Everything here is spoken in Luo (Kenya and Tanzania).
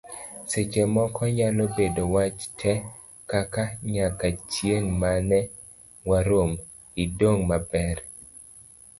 seche moko nyalo bedo wach te, kaka; nyaka chieng' mane warom, idong' maber